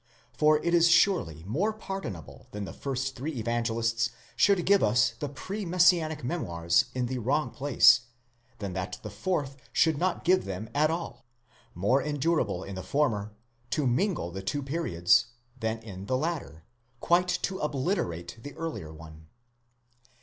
For it is surely more pardonable that the first three Evangelists should give us the pre messianic memoirs in the wrong place, than that the fourth should not give them at all; more endurable in the former, to mingle the two periods, than in the latter, quite to obliterate the earlier one.